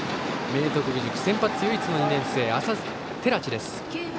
明徳義塾、先発唯一の２年生寺地です。